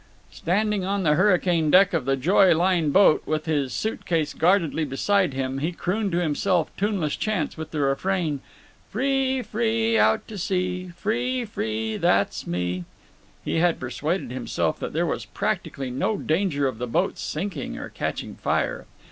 Standing on the hurricane deck of the Joy Line boat, with his suit case guardedly beside him, he crooned to himself tuneless chants with the refrain, "Free, free, out to sea. Free, free, that's me!" He had persuaded himself that there was practically no danger of the boat's sinking or catching fire.